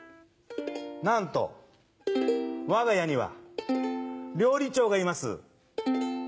なんと、わが家には料理長がいます。